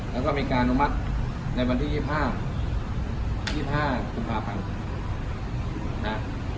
แล้วก็มีการอุมัติในวันที่๒๕ศูนย์๒๕ศูนย์ภาพันธุ์